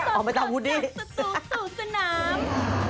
ส่วนเพราะมันอยู่ข้างสนุกสนาม